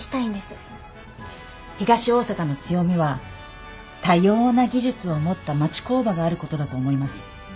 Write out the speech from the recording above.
東大阪の強みは多様な技術を持った町工場があることだと思います。